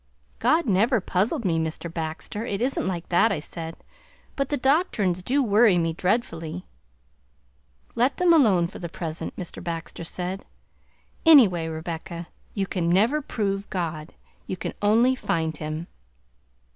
"God never puzzled me, Mr. Baxter; it isn't that," I said; "but the doctrines do worry me dreadfully." "Let them alone for the present," Mr Baxter said. "Anyway, Rebecca, you can never prove God; you can only find Him!"